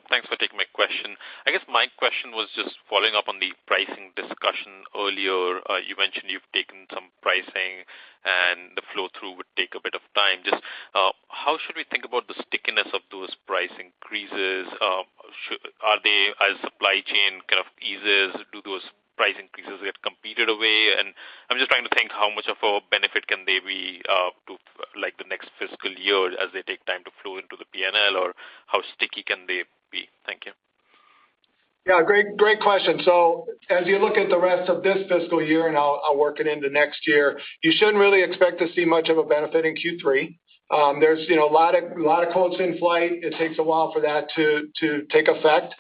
Thanks for taking my question. I guess my question was just following up on the pricing discussion earlier. You mentioned you've taken some pricing and the flow through would take a bit of time. Just how should we think about the stickiness of those price increases? Are they as supply chain kind of eases, do those price increases get competed away? I'm just trying to think how much of a benefit can they be to like the next fiscal year as they take time to flow into the P&L or how sticky can they be? Thank you. Great question. As you look at the rest of this fiscal year, and I'll work it into next year, you shouldn't really expect to see much of a benefit in Q3. There's a lot of quotes in flight. It takes a while for that to take effect.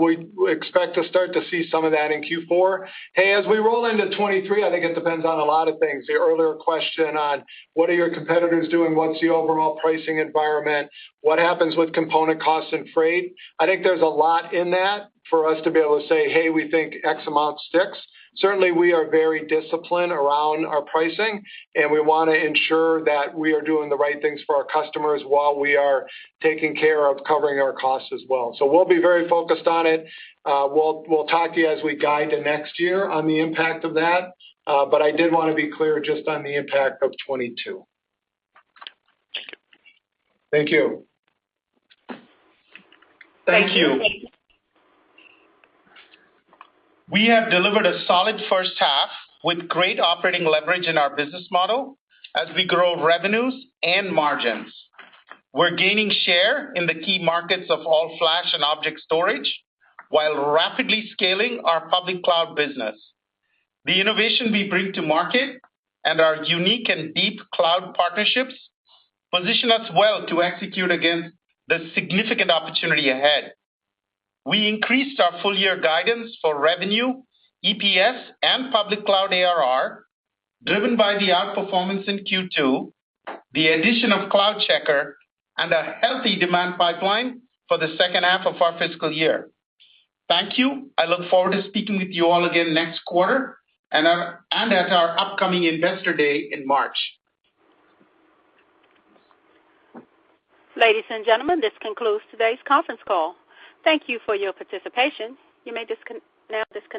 We expect to start to see some of that in Q4. Hey, as we roll into 2023, I think it depends on a lot of things. The earlier question on what are your competitors doing? What's the overall pricing environment? What happens with component costs and freight? I think there's a lot in that for us to be able to say, "Hey, we think X amount sticks." Certainly, we are very disciplined around our pricing, and we wanna ensure that we are doing the right things for our customers while we are taking care of covering our costs as well. We'll be very focused on it. We'll talk to you as we guide to next year on the impact of that. I did wanna be clear just on the impact of 2022. Thank you. Thank you. We have delivered a solid first half with great operating leverage in our business model as we grow revenues and margins. We're gaining share in the key markets of all-flash and object storage, while rapidly scaling our public cloud business. The innovation we bring to market and our unique and deep cloud partnerships position us well to execute against the significant opportunity ahead. We increased our full year guidance for revenue, EPS, and public cloud ARR, driven by the outperformance in Q2, the addition of CloudCheckr, and a healthy demand pipeline for the second half of our fiscal year. Thank you. I look forward to speaking with you all again next quarter and at our upcoming Investor Day in March. Ladies and gentlemen, this concludes today's conference call. Thank you for your participation. You may now disconnect.